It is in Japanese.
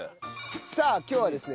さあ今日はですね